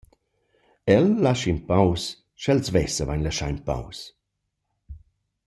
El lascha in pos sch’el svess vain laschà in pos.